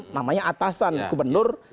namanya atasan gubernur